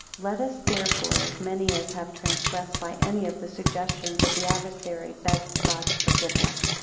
LET us therefore, as many as have transgressed by any of the suggestions of the adversary, beg God's forgiveness.